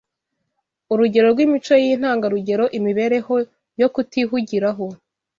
Urugero rw’imico ye y’intangarugero, imibereho yo kutihugiraho